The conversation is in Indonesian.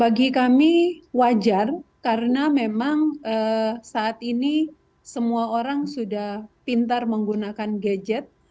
bagi kami wajar karena memang saat ini semua orang sudah pintar menggunakan gadget